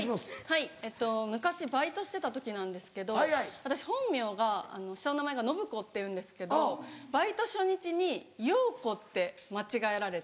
はい昔バイトしてた時なんですけど私本名が下の名前が暢子っていうんですけどバイト初日にようこって間違えられて。